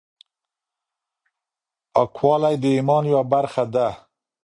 پاکوالی د ايمان يوه برخه ده.